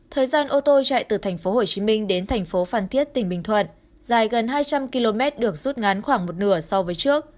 thời gian ô tô chạy từ tp hcm đến thành phố phan thiết tỉnh bình thuận dài gần hai trăm linh km được rút ngắn khoảng một nửa so với trước